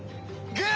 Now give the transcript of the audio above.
グー！